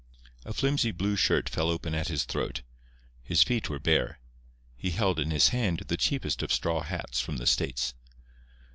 A flimsy blue shirt fell open at his throat; his feet were bare; he held in his hand the cheapest of straw hats from the States.